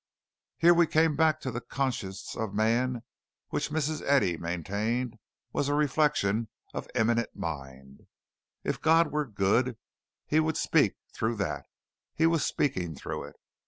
Here we came back to the conscience of man which Mrs. Eddy maintained was a reflection of immanent mind. If God were good, He would speak through that He was speaking through it.